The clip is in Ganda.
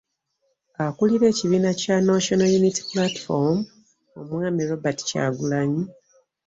Akulira ekibiina kya National Unity Platform , omwami Robert Kyagulanyi